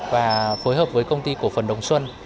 và phối hợp với công ty cổ phần đồng xuân